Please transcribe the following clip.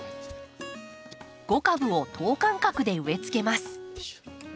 ５株を等間隔で植えつけます。